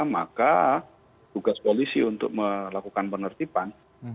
maka tugas polisi untuk melakukan penertiban